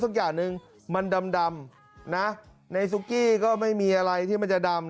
สักอย่างหนึ่งมันดำนะในซุกี้ก็ไม่มีอะไรที่มันจะดำ